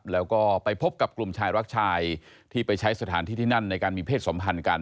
แล้วก็ไปพบกับกลุ่มชายรักชายที่ไปใช้สถานที่ที่นั่นในการมีเพศสัมพันธ์กัน